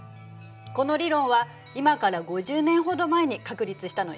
この理論は今から５０年ほど前に確立したのよ。